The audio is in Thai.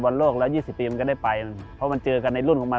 เพราะว่ามันเจอกันในรุ่นของมัน